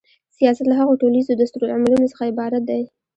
سیاست له هغو ټولیزو دستورالعملونو څخه عبارت دی.